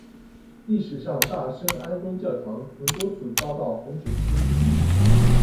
历史上大圣安东教堂曾多次遭到洪水侵袭。